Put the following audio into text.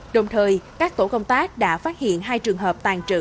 đồng thời các tổ công tác đã phát hiện hai trường hợp tàn trữ